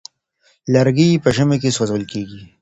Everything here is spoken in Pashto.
لرګي په ژمي کې سوزول کيږي.